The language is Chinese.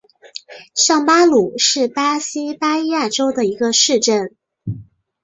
上巴鲁是巴西巴伊亚州的一个市镇。